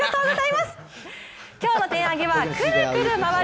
今日のテン上げはくるくる回る。